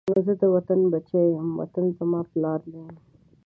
زه د وطن بچی یم، وطن زما پلار دی